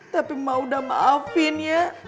tapi mau udah maafin ya